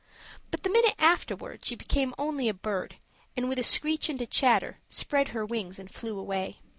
But the minute afterward she became only a bird, and with a screech and a chatter, spread her wings and flew away.